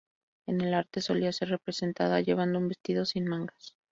En el arte solía ser representada llevando un vestido sin mangas.